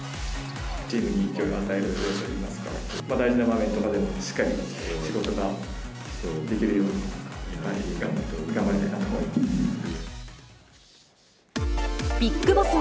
チームに勢いを与えるといいますか、大事な場面とかでも、しっかり仕事ができるように、頑張りたいなと思います。